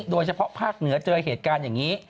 โดยเฉพาะภาคเหนือเจอเหตุการณ์อย่างนี้